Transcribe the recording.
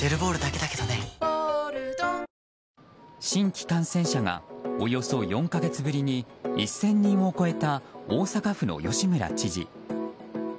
新規感染者がおよそ４か月ぶりに１０００人を超えた大阪府の吉村知事。